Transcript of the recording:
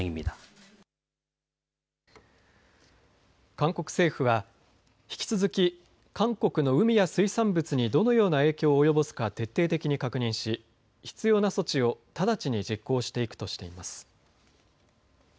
韓国政府は引き続き韓国の海や水産物にどのような影響を及ぼすか徹底的に確認し必要な措置を直ちに実行していくとしています。